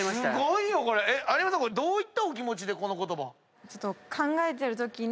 有山さんどういったお気持ちでこの言葉を？